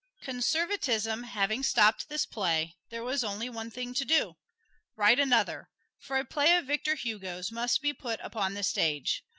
Conservatism having stopped this play, there was only one thing to do: write another; for a play of Victor Hugo's must be put upon the stage.